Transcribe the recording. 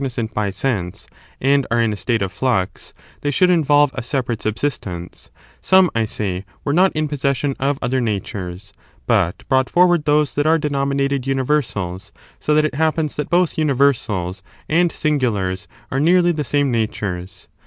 tws thJofy" nisant by sense and are in a state of flux, they »^out umver should involve a separate subsistence — some, I say, were not in possession of other natures, but brought forward those that are denominated tmiversals; so that it happens that both universals and singulars are nearly the same natures.